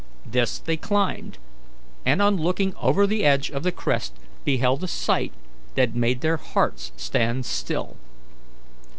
This they climbed, and on looking over the edge of the crest beheld a sight that made their hearts stand still.